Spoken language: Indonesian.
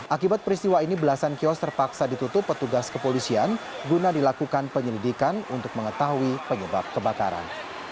akibat peristiwa ini belasan kios terpaksa ditutup petugas kepolisian guna dilakukan penyelidikan untuk mengetahui penyebab kebakaran